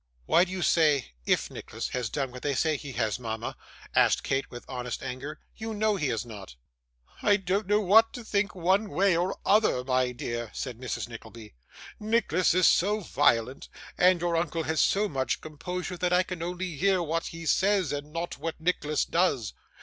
'Why do you say "IF Nicholas has done what they say he has," mama?' asked Kate, with honest anger. 'You know he has not.' 'I don't know what to think, one way or other, my dear,' said Mrs Nickleby; 'Nicholas is so violent, and your uncle has so much composure, that I can only hear what he says, and not what Nicholas does.